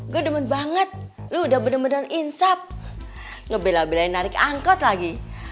gue demen banget lo udah bener bener insap ngebela belain narik angkot lagi